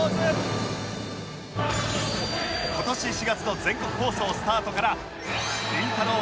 今年４月の全国放送スタートからりんたろー。